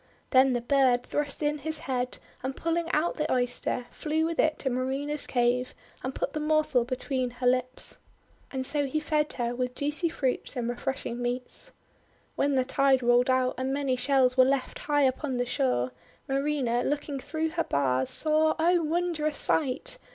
Then the bird thrust in his head and pulling out the Oyster, flew with it to Marina's cave, and put the morsel between her lips. And so he fed her with juicy fruits and refresh ing meats. WTien the tide rolled out, and many shells were left high upon the shore, Marina, looking through her bars, saw — oh, wondrous sight!